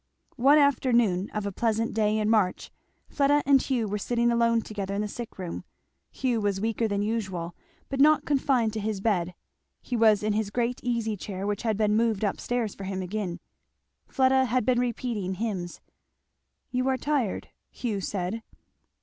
One afternoon of a pleasant day in March Fleda and Hugh were sitting alone together in the sick room. Hugh was weaker than usual, but not confined to his bed; he was in his great easy chair which had been moved up stairs for him again. Fleda had been repeating hymns. "You are tired," Hugh said.